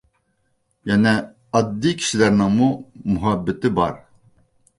يەنە ئاددىي كىشىلەرنىڭمۇ مۇھەببىتى بار.